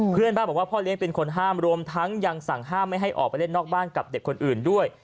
เพื่อนบ้านบอกว่าพ่อเลี้ยงเป็นคนห้ามรวมทั้งยังสั่งห้ามไม่ให้ออกไปเล่นนอกบ้านกับเด็กคนอื่นด้วย